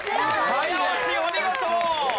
早押しお見事！